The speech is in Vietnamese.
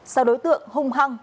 sau đối tượng hung hăng